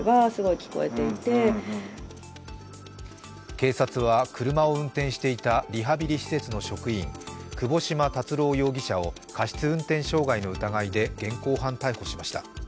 警察は車を運転していたリハビリ施設の職員、窪島達郎容疑者を過失運転傷害の疑いで現行犯逮捕しました。